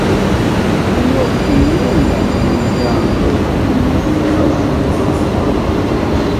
iyo imyenda umuryango urimo imaze